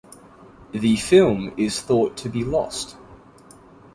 The film is thought to be lost.